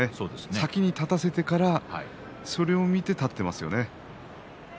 先に立たせてからそれを見て立ってますね。